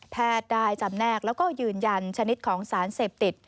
แพทย์ได้จำแนกแล้วก็ยืนยันชนิดของสารเสพติด